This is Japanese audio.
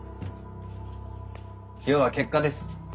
要は結果です。